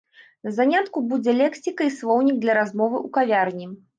На занятку будзе лексіка і слоўнік для размовы ў кавярні.